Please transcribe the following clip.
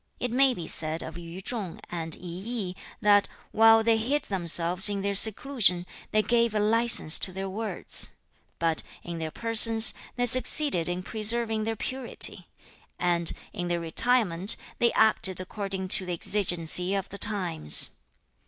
4. 'It may be said of Yu chung and I yi, that, while they hid themselves in their seclusion, they gave a license to their words; but, in their persons, they succeeded in preserving their purity, and, in their retirement, they acted according to the exigency of the times.